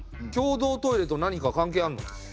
共同トイレと何か関係あんの？